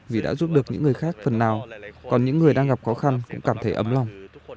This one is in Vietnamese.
vì đã giúp được những người khác phần nào còn những người đang gặp khó khăn cũng cảm thấy ấm lòng